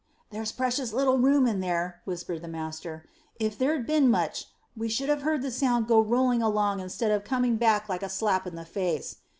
"There's precious little room in there," whispered the master. "If there'd been much of it, we should have heard the sound go rolling along instead of coming back like a slap in the face.